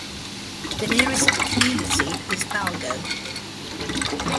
The nearest community is Balgo.